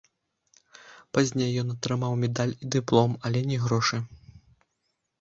Пазней ён атрымаў медаль і дыплом, але не грошы.